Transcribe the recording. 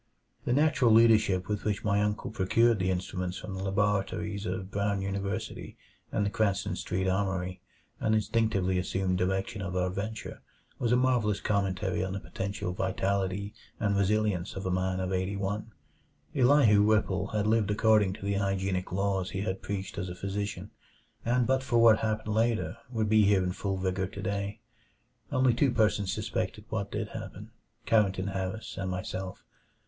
The natural leadership with which my uncle procured the instruments from the laboratories of Brown University and the Cranston Street Armory, and instinctively assumed direction of our venture, was a marvelous commentary on the potential vitality and resilience of a man of eighty one. Elihu Whipple had lived according to the hygienic laws he had preached as a physician, and but for what happened later would be here in full vigor today. Only two persons suspected what did happen Carrington Harris and myself.